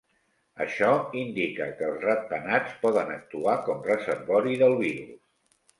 Això indica que els ratpenats poden actuar com reservori del virus.